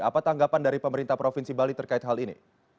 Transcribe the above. apa tanggapan dari pemerintah provinsi bali terkait hal ini